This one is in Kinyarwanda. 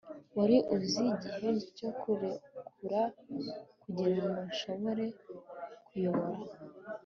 wari uzi igihe cyo kurekura kugirango nshobore kuyobora